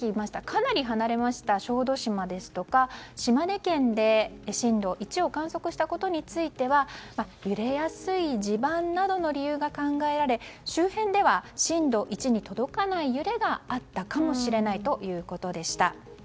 かなり離れた小豆島ですとか島根県で震度１を観測したことについては揺れやすい地盤などの理由が考えられ、周辺では震度１に届かない揺れがあったかもしれないということでした。